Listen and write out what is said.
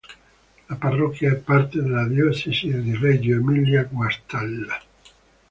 La parrocchia è parte della Diocesi di Reggio Emilia-Guastalla.